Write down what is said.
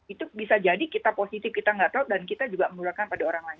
itu bisa jadi kita positif kita nggak tahu dan kita juga menularkan pada orang lain